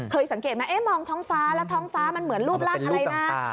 สังเกตไหมมองท้องฟ้าแล้วท้องฟ้ามันเหมือนรูปร่างอะไรนะ